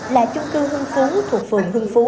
là trung cư hưng phú thuộc phường hưng phú